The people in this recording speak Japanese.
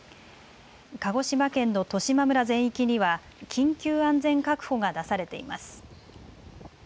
鹿児島県の十島村全域には緊急安全確保が出されています。